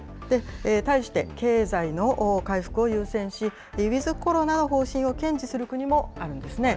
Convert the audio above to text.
対して、経済の回復を優先し、ウィズコロナの方針を堅持する国もあるんですね。